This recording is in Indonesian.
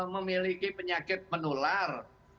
memiliki penyakit menular